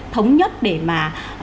thống nhất để mà